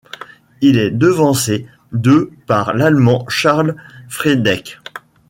Il est devancé de par l'Allemand Charles Friedek.